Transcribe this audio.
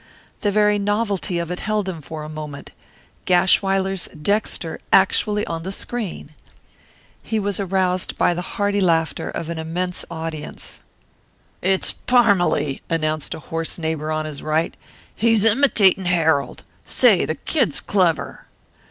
The very novelty of it held him for a moment Gashwiler's Dexter actually on the screen! He was aroused by the hearty laughter of an immense audience. "It's Parmalee," announced a hoarse neighbour on his right. "He's imitatin' Harold! Say, the kid's clever!"